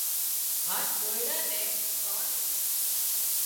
هانَ ۮوئيڙا نين تانڻيون